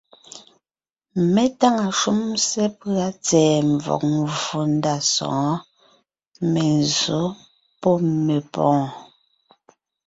Mé táŋa shúm sepʉ́a tsɛ̀ɛ mvɔ̀g mvfò ndá sɔ̌ɔn: menzsǒ pɔ́ mepɔ̀ɔn.